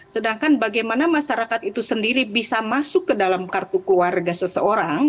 sedangkan bagaimana masyarakat itu sendiri bisa masuk ke dalam kartu keluarga seseorang